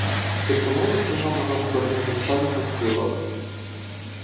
Сипонули по ньому навздогін, та не поцілили.